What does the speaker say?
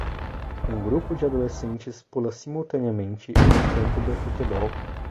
Um grupo de adolescentes pula simultaneamente em um campo de futebol.